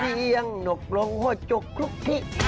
เชียงหนกลงหัวจุกคลุกคลิก